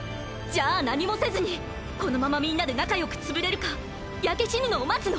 じゃあ何もせずにこのままみんなで仲良く潰れるか焼け死ぬのを待つの？